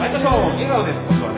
笑顔です今度はね。